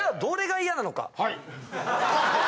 はい！